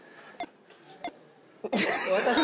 私？